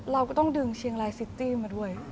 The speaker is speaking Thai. เราก็ต้องดึงเชียงรายซิตี้มาด้วย